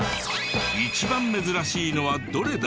一番珍しいのはどれだ？